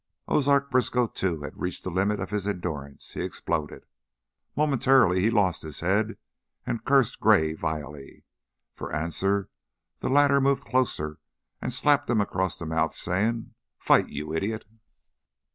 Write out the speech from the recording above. Ozark Briskow, too, had reached the limit of his endurance; he exploded. Momentarily he lost his head and cursed Gray vilely. For answer the latter moved close and slapped him across the mouth, saying: "Fight, you idiot!"